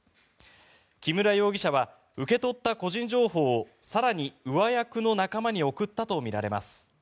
木村容疑者は受け取った個人情報を更に上役の仲間に送ったとみられます。